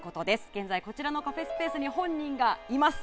現在、こちらのカフェスペースに本人がいます。